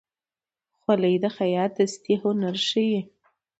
خولۍ د خیاط دستي هنر ښيي.